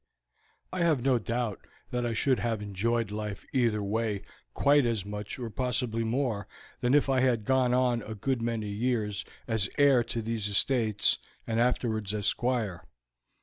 I have no doubt that I should have enjoyed life either way quite as much or possibly more than if I had gone on a good many years as heir to these estates, and afterwards as Squire.